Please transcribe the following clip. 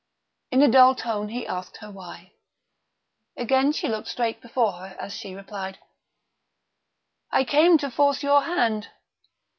In a dull tone he asked her why. Again she looked straight before her as she replied: "I came to force your hand.